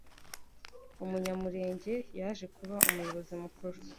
Umunyamulenge yaje kuba Umuyobozi Mukuru